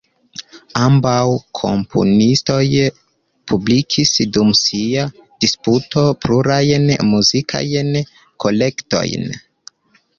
Ambaŭ komponistoj publikis dum sia disputo plurajn muzikajn kolektojn.